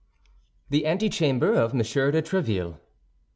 THE ANTECHAMBER OF M. DE TRÉVILLE M.